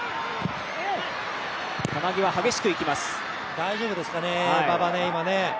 大丈夫ですかね、馬場ね。